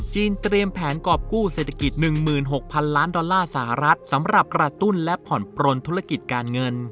เตรียมแผนกรอบกู้เศรษฐกิจ๑๖๐๐๐ล้านดอลลาร์สหรัฐสำหรับกระตุ้นและผ่อนปลนธุรกิจการเงิน